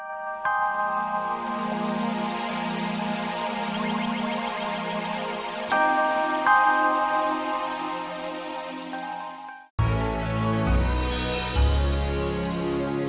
lu ani kalah terus ditangani